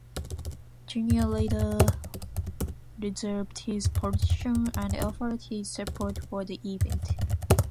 Greiner later reversed his position and offered his support for the event.